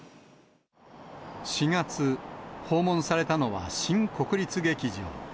４月、訪問されたのは、新国立劇場。